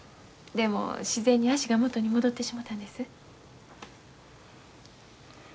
でも自然に足が元に戻ってしもたんです。